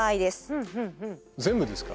全部ですか？